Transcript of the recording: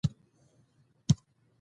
هلک د خوښۍ خوږې څپې په هوا کړ.